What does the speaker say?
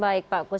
baik pak bagus